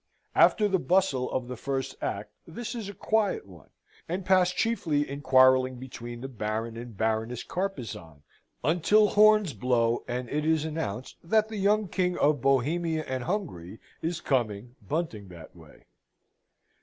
After the bustle of the first act this is a quiet one, and passed chiefly in quarrelling between the Baron and Baroness Carpezan, until horns blow, and it is announced that the young King of Bohemia and Hungary is coming bunting that way.